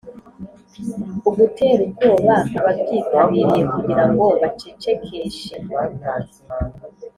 ugutera ubwoba ababyitabiriye kugira ngo bacecekeshe